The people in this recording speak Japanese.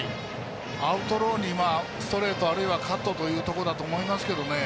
アウトローにストレートあるいはカットというところだと思いますけどね